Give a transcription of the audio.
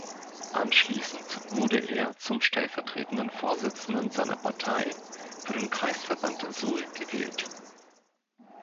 Anschließend wurde er zum stellvertretenden Vorsitzenden seiner Partei für den Kreisverband Suhl gewählt.